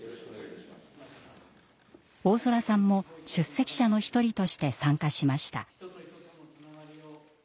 大空さんも出席者の一人として参加しました。